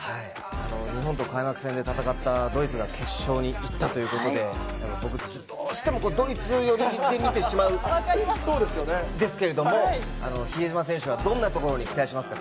日本と開幕戦で戦ったドイツが決勝に行ったということで、僕、どうしてもドイツ寄りで見てしまうんですけれども、比江島選手はどんなところに期待しますか？